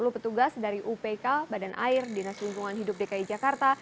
sepuluh petugas dari upk badan air dinas lingkungan hidup dki jakarta